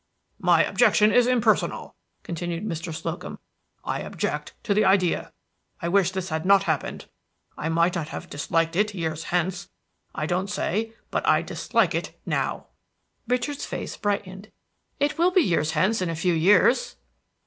"My objection is impersonal," continued Mr. Slocum. "I object to the idea. I wish this had not happened. I might not have disliked it years hence; I don't say; but I dislike it now." Richard's face brightened. "It will be years hence in a few years!"